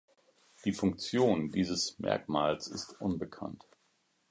Die Funktion dieses Merkmals ist unbekannt.